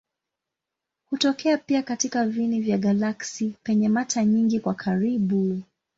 Hutokea pia katika viini vya galaksi penye mata nyingi kwa karibu.